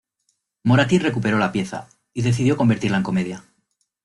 Moratín recuperó la pieza y decidió convertirla en comedia.